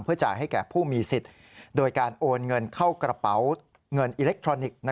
จ่ายให้แก่ผู้มีสิทธิ์โดยการโอนเงินเข้ากระเป๋าเงินอิเล็กทรอนิกส์